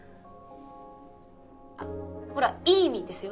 あっほらいい意味ですよ